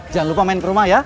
jangan lupa main ke rumah ya